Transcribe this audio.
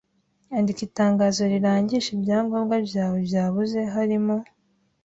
Andika itangazo rirangisha ibyangombwa byawe byabuze harimo